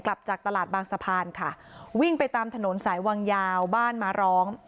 กลับจากตลาดบางสะพานค่ะวิ่งไปตามถนนสายวังยาวบ้านมาร้อง